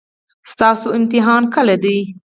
ستاسو امتحان کله دی؟